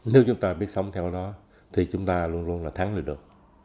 nếu chúng ta biết sống theo đó thì chúng ta luôn luôn là thắng lợi được